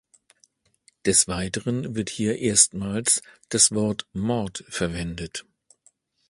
Des Weiteren wird hier erstmals das Wort Mord verwendet.